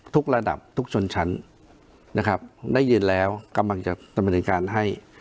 ระดับทุกชนชั้นนะครับได้ยินแล้วกำลังจะดำเนินการให้